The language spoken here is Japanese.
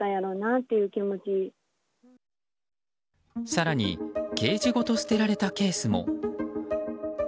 更にケージごと捨てられたケースも。